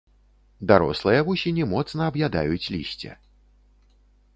Дарослыя вусені моцна аб'ядаюць лісце.